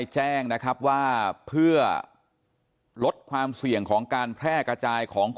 ใช่ค่ะ